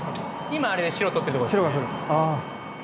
今あれ白取ってるところですね。